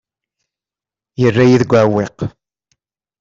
Yerra-yi deg uɛewwiq.